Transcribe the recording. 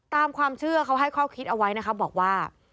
ตามความเชื่อเขาให้ข้อคิดเอาไว้นะคะบอกว่า